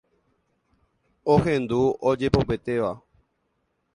ohendu ojepopetéva.